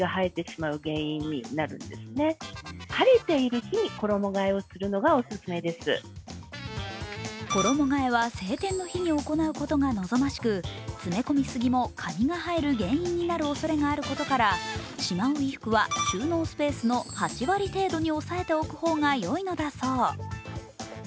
まずは衣がえは晴天の日に行うことが望ましく、詰め込みすぎもかびが生える原因になるおそれがあることからしまう衣服は収納スペースの８割程度におさえておく方が良いのだそう。